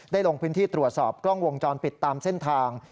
ลงพื้นที่ตรวจสอบกล้องวงจรปิดตามเส้นทาง